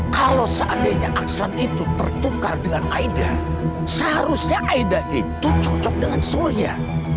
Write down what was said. kalau seandainya aksalat itu tertukar dengan aida seharusnya aeda itu cocok dengan surya